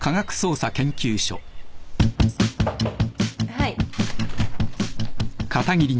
・はい。